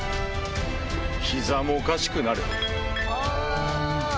膝もおかしくなる。